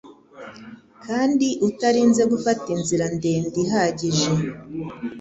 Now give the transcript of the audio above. Kandi utarinze gufata inzira ndende ihagije